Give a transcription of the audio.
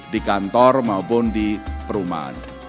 di kantor maupun di perumahan